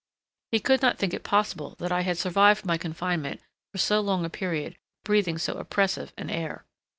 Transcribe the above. He could not think it possible that I had survived my confinement for so long a period breathing so oppressive an air.